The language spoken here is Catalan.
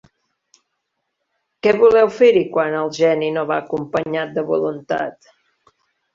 Què voleu fer-hi quan el geni no va acompanyat de voluntat?